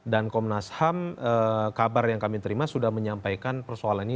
dan komnas ham kabar yang kami terima sudah menyampaikan persoalan ini